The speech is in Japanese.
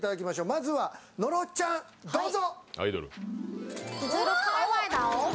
まずは野呂ちゃん、どうぞ！